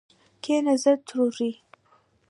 کینه زړه توروي